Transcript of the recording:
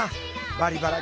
「バリバラ」